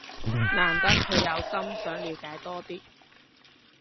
難得佢有心想了解多啲